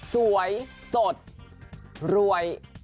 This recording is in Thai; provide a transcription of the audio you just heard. สวยสดรวย